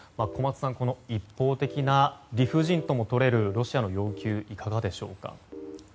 小松さん、この一方的な理不尽ともとれるロシアの要求いかがでしょうか？